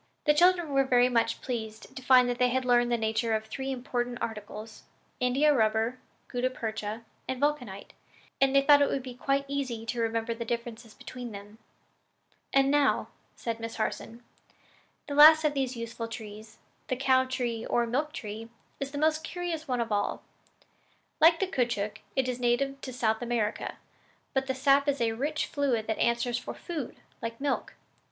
The children were very much pleased to find that they had learned the nature of three important articles India rubber, gutta percha and vulcanite and they thought it would be quite easy to remember the differences between them. "And now," said Miss Harson, "the last of these useful trees the cow tree, or milk tree is the most curious one of all. Like the caoutchouc, it is a native of South America; but the sap is a rich fluid that answers for food, like milk.